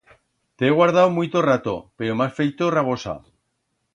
T'he aguardau muito rato, pero m'has feito rabosa.